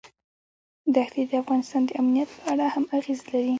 دښتې د افغانستان د امنیت په اړه هم اغېز لري.